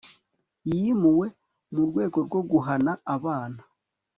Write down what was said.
yimuwe mu rwego rwo guhana abana